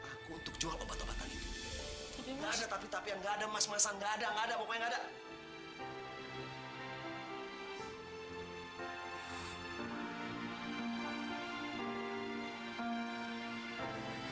aku untuk jual obat obatan itu